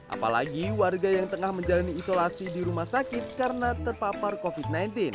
apalagi warga yang tengah menjalani isolasi di rumah sakit karena terpapar covid sembilan belas